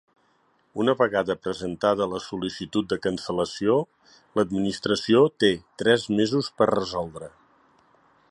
Una vegada presentada la sol·licitud de cancel·lació, l'Administració té tres mesos per resoldre.